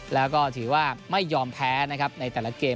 แล้วก็ถือว่าไม่ยอมแพ้นะครับในแต่ละเกม